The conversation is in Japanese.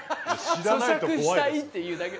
そしゃくしたいっていうだけ。